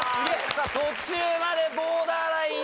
さぁ途中までボーダーライン。